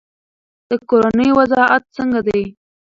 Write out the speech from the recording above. د کورنۍ وضعیت څنګه دی؟